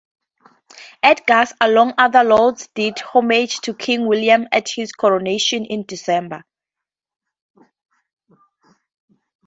Edgar, alongside other lords, did homage to King William at his coronation in December.